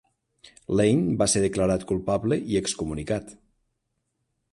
Lane va ser declarat culpable i excomunicat.